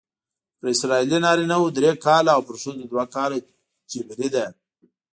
پر اسرائیلي نارینه وو درې کاله او پر ښځو دوه کاله جبری ده.